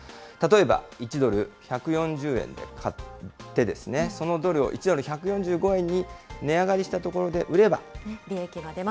例えば、１ドル１４０円で買って、そのドルを１ドル１４５円に値上がりしたところで売れば。